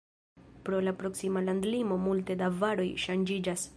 Pro la proksima landlimo multe da varoj ŝanĝiĝas.